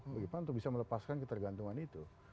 bagaimana untuk bisa melepaskan ketergantungan itu